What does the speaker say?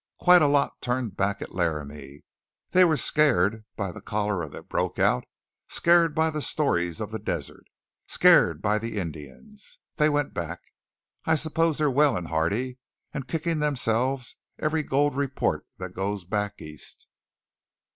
Quite a lot turned back at Laramie. They were scared by the cholera that broke out, scared by the stories of the desert, scared by the Indians. They went back. I suppose they're well and hearty and kicking themselves every gold report that goes back east."